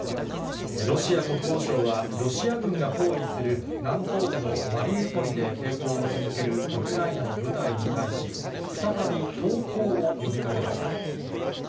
ロシア国防省は、ロシア軍が包囲する南東部のマリウポリで抵抗を続けるウクライナの部隊に対し、再び投降を呼びかけました。